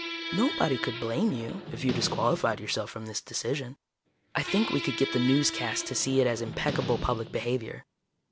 "Nobody could blame you, if you disqualified yourself from this decision. I think we could get the newscasts to see it as impeccable public behavior.